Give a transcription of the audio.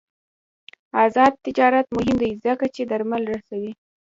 آزاد تجارت مهم دی ځکه چې درمل رسوي.